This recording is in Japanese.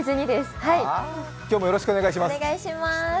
ああ、今日もよろしくお願いします。